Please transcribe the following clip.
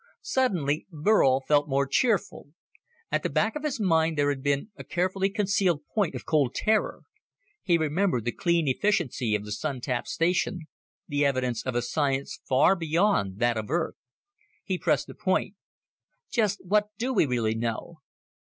Suddenly Burl felt more cheerful. At the back of his mind there had been a carefully concealed point of cold terror he remembered the clean efficiency of the Sun tap station, the evidence of a science far beyond that of Earth. He pressed the point. "Just what do we really know?"